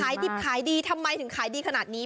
ขายดิบขายดีทำไมถึงขายดีขนาดนี้